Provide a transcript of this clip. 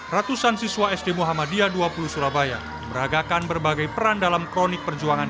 ratusan siswa sd muhammadiyah dua puluh surabaya meragakan berbagai peran dalam kronik perjuangan